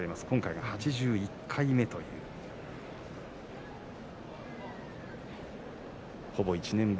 今回が８１回目ということです。